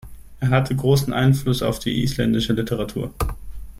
Er hatte großen Einfluss auf die isländische Literatur.